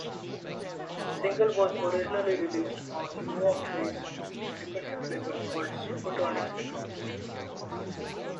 The single was originally released on the New York-based independent label called Supertronics Records.